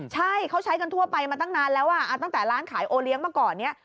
ใช่เขาใช้กันทั่วไปมาตั้งนานแล้วตั้งแต่ร้านขายโอเลี้ยงมาก่อนเนี่ย